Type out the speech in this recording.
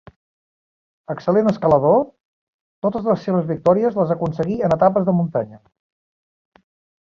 Excel·lent escalador, totes les seves victòries les aconseguí en etapes de muntanya.